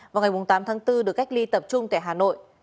vào ngày tám tháng bốn được cách ly tập trung tại hà nội